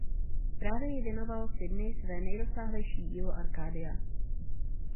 Právě jí věnoval Sidney své nejrozsáhlejší dílo "Arcadia".